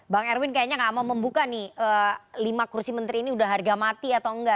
bang erwin kayaknya nggak mau membuka nih lima kursi menteri ini udah harga mati atau enggak